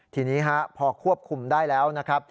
ทีนี้พอควบคุมได้แล้วนะครับ